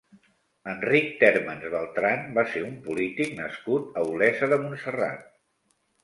Enric Térmens Beltran va ser un polític nascut a Olesa de Montserrat.